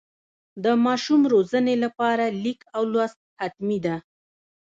د ماشوم روزنې لپاره لیک او لوست حتمي ده.